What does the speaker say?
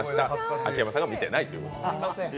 秋山さんが見てないということです。